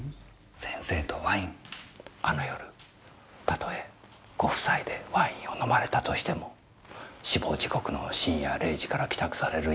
たとえご夫妻でワインを飲まれたとしても死亡時刻の深夜０時から帰宅される